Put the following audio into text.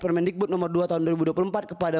permendikbud nomor dua tahun dua ribu dua puluh empat kepada